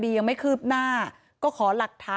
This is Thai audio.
เหตุการณ์เกิดขึ้นแถวคลองแปดลำลูกกา